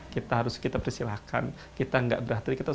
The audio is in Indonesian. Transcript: kita harus kita persilahkan kita gak berakhir